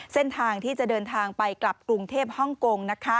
เส้นทางที่จะเดินทางไปกลับกรุงเทพฮ่องกง